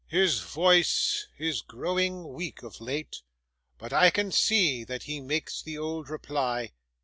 His voice is growing weak of late, but I can SEE that he makes the old reply.